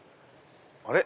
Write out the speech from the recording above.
あれ？